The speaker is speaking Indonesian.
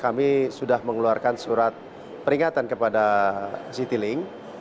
kami sudah mengeluarkan surat peringatan kepada citylink